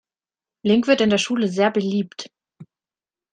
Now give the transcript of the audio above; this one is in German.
Link wird in der Schule sehr beliebt.